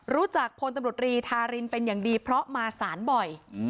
พลตำรวจรีธารินเป็นอย่างดีเพราะมาสารบ่อย